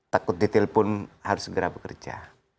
takut ditelpon harus segera bekerja